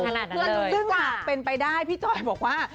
ขนาดนั้นเลยโดยซึ่งถ้าเป็นไปได้พี่จอยบอกว่า